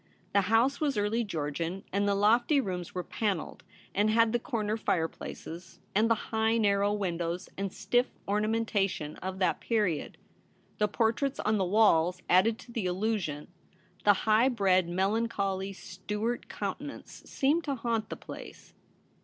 The house was early Georgian, and the lofty rooms were panelled, and had the corner fireplaces and the high narrow win dows and stiff ornamentation of that period. The portraits on the walls added to the illu sion ; the high bred melancholy Stuart coun tenance seemed to haunt the place.